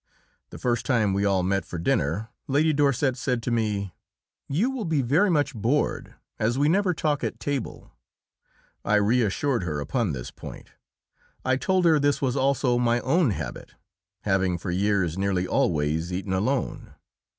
The first time we all met for dinner Lady Dorset said to me: "You will be very much bored, as we never talk at table." I reassured her upon this point. I told her this was also my own habit, having for years nearly always eaten alone.